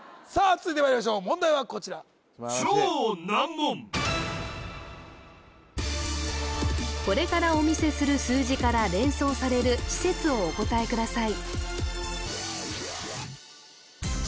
続いてまいりましょう問題はこちらこれからお見せする数字から連想される施設をお答えください